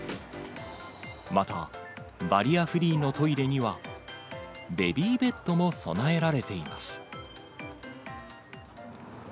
また、バリアフリーのトイレには、ベビーベッドも備えられています。